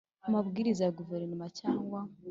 amabwiriza ya Guverinoma cyangwa